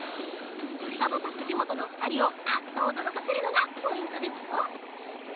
田畑藤本の２人をあっと驚かせるのがポイントですよ。